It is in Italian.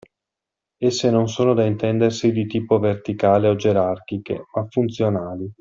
Esse non sono da intendersi di tipo verticale o gerarchiche ma funzionali.